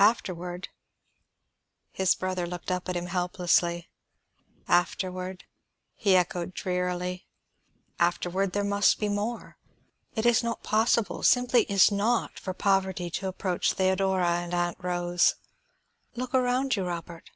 "Afterward " His brother looked up at him helplessly. "Afterward?" he echoed drearily. "Afterward there must be more. It is not possible, simply is not, for poverty to approach Theodora and Aunt Rose. Look around you, Robert."